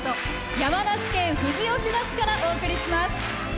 山梨県富士吉田市からお送りします。